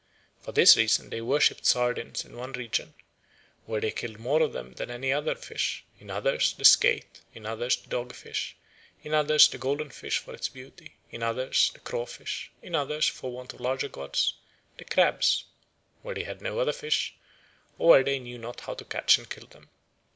For this reason they worshipped sardines in one region, where they killed more of them than of any other fish; in others, the skate; in others, the dogfish; in others, the golden fish for its beauty; in others, the crawfish; in others, for want of larger gods, the crabs, where they had no other fish, or where they knew not how to catch and kill them.